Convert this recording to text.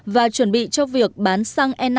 và chuẩn bị cho việc bán xăng e năm